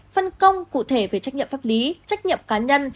phân công cụ thể về trách nhiệm pháp lý trách nhiệm cá nhân